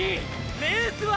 レースはァ！！